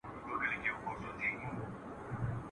ډېر نیژدې وو چي له لوږي سر کړي ساندي ..